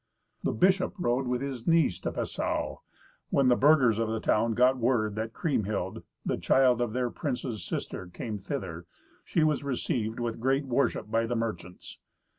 The bishop rode with his niece to Passau. When the burghers of the town got word that Kriemhild, the child of their prince's sister, came thither, she was received with great worship by the merchants.